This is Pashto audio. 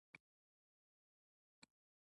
لوی مشر سره سلا مشوره وکړه.